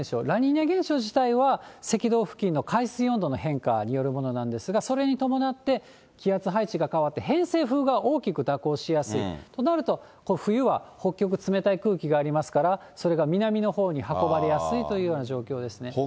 ラニーニャ現象自体は赤道付近の海水温度の変化によるものなんですけれども、それに伴って、偏西風が大きく蛇行しやすい、となると、冬は北極、冷たい空気がありますから、それが南のほうに運ばれやすいというような状況ですね。